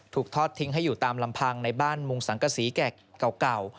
ทอดทิ้งให้อยู่ตามลำพังในบ้านมุงสังกษีแก่เก่า